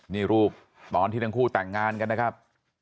นี่รูปตอนที่ทั้งคู่แต่งงานกันนะครับ